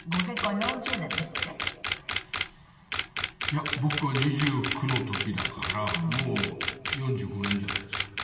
いや僕が２９の時だからもう４５年じゃないですかね。